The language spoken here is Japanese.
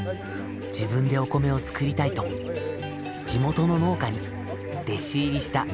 自分でお米をつくりたいと地元の農家に弟子入りした。